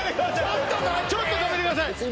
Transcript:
ちょっと止めてください！